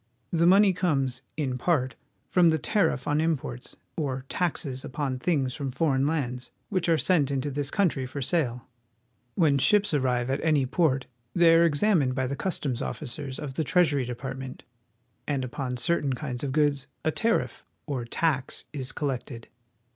The money comes, in part, from the tariff on imports, or taxes upon things from foreign lands which are sent into this country for sale. Wlien ships arrive at any port they are examined by the customs officers of the Treas ury Department, and upon certain kinds of goods a tariff, or tax, is collected.